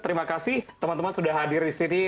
terima kasih teman teman sudah hadir di sini